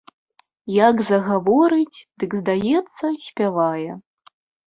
Як загаворыць, дык, здаецца, спявае.